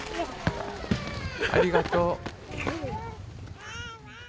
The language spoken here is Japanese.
ありがとう。